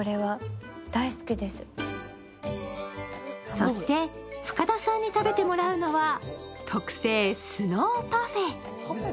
そして、深田さんに食べてもらうのは特製スノーパフェ。